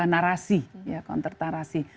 narasi counter tarasi